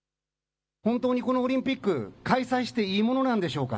本当にこのオリンピック開催していいものなんでしょうか。